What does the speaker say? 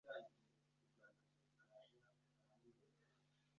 bamwe muri bo ndabakubita mbapfura umusatsi